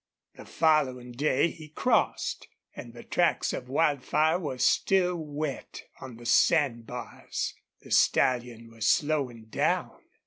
The following day he crossed, and the tracks of Wildfire were still wet on the sand bars. The stallion was slowing down.